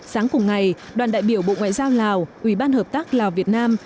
sáng cùng ngày đoàn đại biểu bộ ngoại giao lào ủy ban hợp tác lào việt nam